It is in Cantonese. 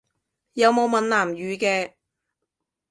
有冇閩南語嘅？